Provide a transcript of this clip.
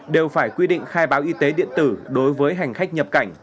đều phải quy định khai báo y tế điện tử đối với hành khách nhập cảnh